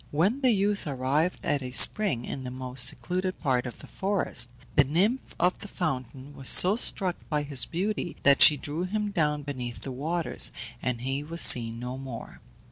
When the youth arrived at a spring, in the most secluded part of the forest, the nymph of the fountain was so struck by his beauty that she drew him down beneath the waters, and he was seen no more.